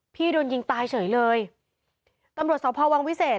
พี่โดนยิงตายเฉยเลยตำรวจสพวังวิเศษ